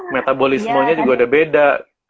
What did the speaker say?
metabolismenya juga udah beda